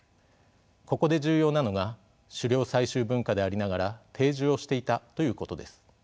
ここで重要なのが狩猟採集文化でありながら定住をしていたということです。